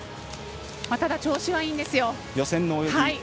ただ、調子はいいんですよ。